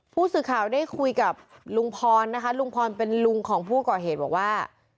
ผู้สื่อข่าวได้คุยกับลุงพรนะคะลุงพรเป็นลุงของผู้ก่อเหตุบอกว่า